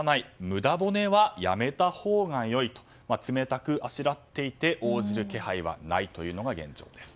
無駄骨はやめたほうが良いと冷たくあしらっていて応じる気配はないというのが現状です。